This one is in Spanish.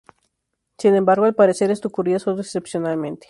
Sin embargo, al parecer esto ocurría solo excepcionalmente.